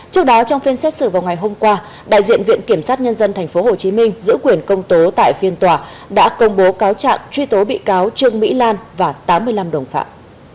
trước đó trong phiên xét xử vào ngày hôm qua đại diện viện kiểm sát nhân dân tp hcm giữ quyền công tố tại phiên tòa đã công bố cáo trạng truy tố bị cáo trương mỹ lan và tám mươi năm đồng phạm